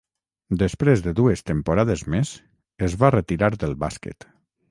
Després de dues temporades més, es va retirar del bàsquet.